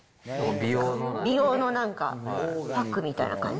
美容のなんかパックみたいな感じ。